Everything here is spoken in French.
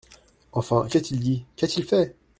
Enfin, qu’a-t-il dit, qu’a-t-il fait ?